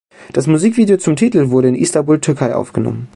Das Musikvideo zum Titel wurde in Istanbul, Türkei aufgenommen.